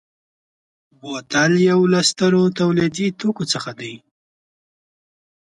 بوتل یو له سترو تولیدي توکو څخه دی.